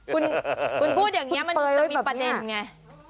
คุณพูดอย่างนี้มันจะมีประเด็นไง